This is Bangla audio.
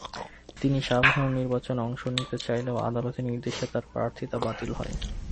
তিনি সাধারণ নির্বাচনে অংশ নিতে চাইলেও আদালতের নির্দেশে তাঁর প্রার্থিতা বাতিল হয়।